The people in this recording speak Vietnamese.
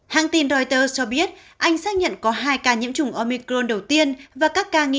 hãng tin reuters cho biết anh xác nhận có hai ca nhiễm chủng omicron đầu tiên và các ca nghi